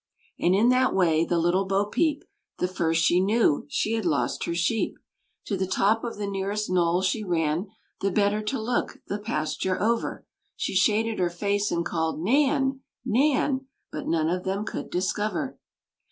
And in that way the little Bo Peep, The first she knew, had lost her sheep! To the top of the nearest knoll she ran, The better to look the pasture over; She shaded her face, and called, "Nan! Nan!" But none of them could discover.